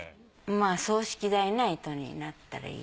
まぁ葬式代などになったらいい。